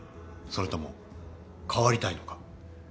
それとも変わりたいのか？